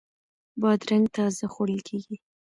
بادرنګ تازه خوړل کیږي.